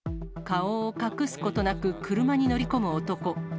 顔を隠すことなく車に乗り込む男。